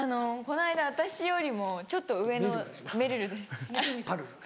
この間私よりもちょっと上の。